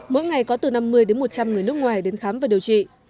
mỗi ngày có từ năm mươi đến một trăm linh người nước ngoài đến khám và điều trị